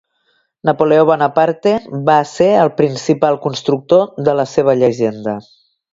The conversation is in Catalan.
Napoleó Bonaparte va ser el principal constructor de la seva llegenda.